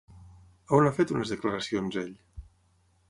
On ha fet unes declaracions ell?